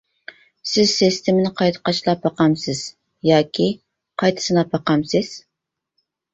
سىز سىستېمىنى قايتا قاچىلاپ باقامسىز ياكى قايتا سىناپ باقامسىز.